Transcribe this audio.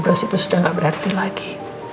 bro itu sudah gak berarti lagi